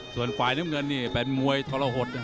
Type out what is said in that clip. ส่วนฝ่ายน้ำเงินนี่เป็นมวยทรหด